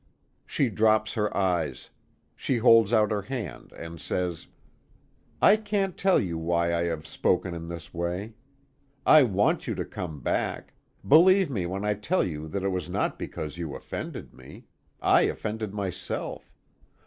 She drops her eyes. She holds out her hand and says: "I can't tell you why I have spoken in this way. I want you to come back. Believe me when I tell you that it was not because you offended me I offended myself.